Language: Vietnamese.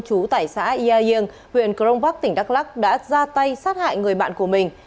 chú tải xã yai yêng huyện cronvac tỉnh đắk lắc đã ra tay sát hại người bạn của mình